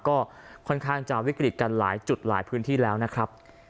ก็ค่อนข้างจะวิกฤตกันหลายจุดหลายพื้นที่แล้วนะครับ